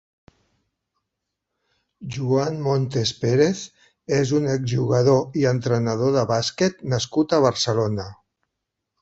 Joan Montes Pérez és un exjugador i entrenador de bàsquet nascut a Barcelona.